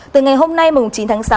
từ ngày hôm nay mùng chín tháng sáu